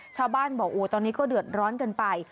ชาวบ้านบอกตอนนี้ก็เดือดร้อนเกินไป